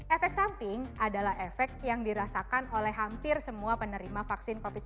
efek samping adalah efek yang dirasakan oleh hampir semua penerima vaksin covid sembilan belas